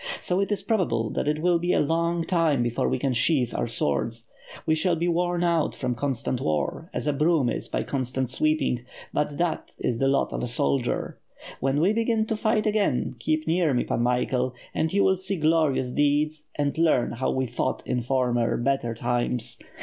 So it is probable that it will be a long time before we can sheathe our swords. We shall be worn out from constant war, as a broom is by constant sweeping; but that is the lot of a soldier. When we begin to fight again, keep near me, Pan Michael, and you will see glorious deeds and learn how we fought in former, better times.